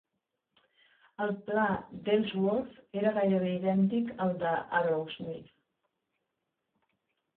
El pla d'Ellsworth era gairebé idèntic al d'Arrowsmith.